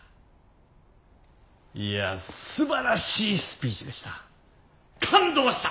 いやすばらしいスピーチでした。